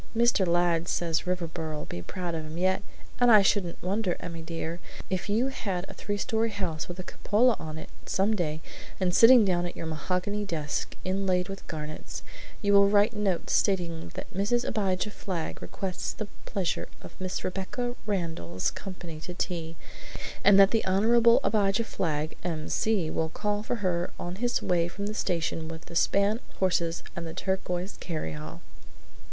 Mr. Ladd says Riverboro'll be proud of him yet, and I shouldn't wonder, Emmy dear, if you had a three story house with a cupola on it, some day; and sitting down at your mahogany desk inlaid with garnets, you will write notes stating that Mrs. Abijah Flagg requests the pleasure of Miss Rebecca Randall's company to tea, and that the Hon. Abijah Flagg, M.C., will call for her on his way from the station with a span of horses and the turquoise carryall!"